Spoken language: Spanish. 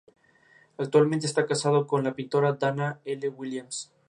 Hoy en día es extensamente usado por percusionistas de diferentes estilos musicales.